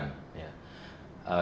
ini kota kota tujuan